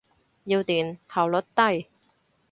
要電，效率低。